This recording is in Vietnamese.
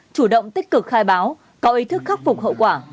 chủ động tích cực khai báo có ý thức khắc phục hậu quả